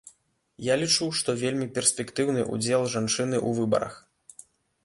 Я лічу, што вельмі перспектыўны ўдзел жанчыны ў выбарах.